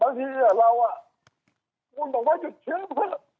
บางทีเราโค้งถูกมันยุดเคียง